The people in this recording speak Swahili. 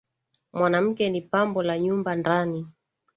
mwanamke ni pambo la nyumba ndani